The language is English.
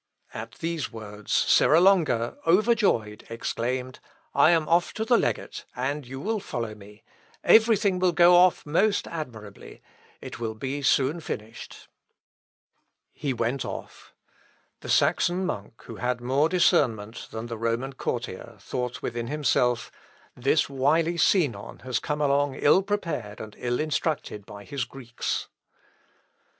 At these words Serra Longa, overjoyed, exclaimed, "I am off to the legate, and you will follow me; everything will go off most admirably; it will be soon finished...." Luth. Op. (L.) xvii, p. 179. He went off. The Saxon monk, who had more discernment than the Roman courtier, thought within himself, "This wily Sinon has come along ill prepared and ill instructed by his Greeks."